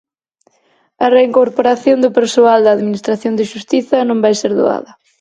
A reincorporación do persoal da administración de Xustiza non vai ser doada.